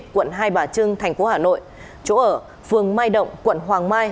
quận hai bà trưng thành phố hà nội chỗ ở phường mai động quận hoàng mai